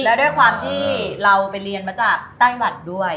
แล้วด้วยความที่เราไปเรียนมาจากไต้หวันด้วย